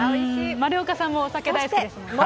丸岡さんもお酒大好きですもんね。